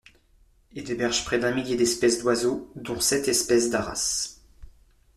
Il héberge près d’un millier d’espèces d’oiseaux dont sept espèces d’aras.